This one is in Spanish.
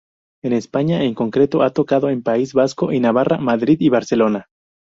En España en concreto han tocado en País Vasco y Navarra, Madrid y Barcelona.